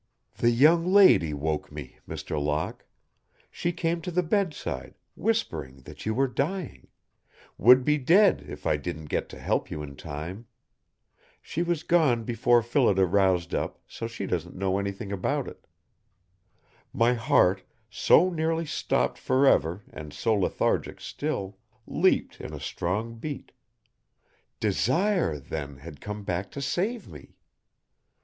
"The young lady woke me, Mr. Locke. She came to the bedside, whispering that you were dying would be dead if I didn't get to help you in time. She was gone before Phillida roused up so she doesn't know anything about it." My heart, so nearly stopped forever and so lethargic still, leaped in a strong beat. Desire, then, had come back to save me.